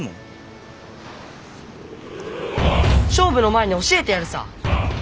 勝負の前に教えてやるさ。